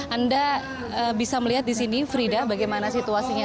anda bisa melihat di sini frida bagaimana situasinya